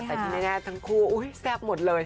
แต่ที่แน่ทั้งคู่แซ่บหมดเลย